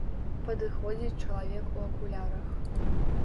Падыходзіць чалавек у акулярах.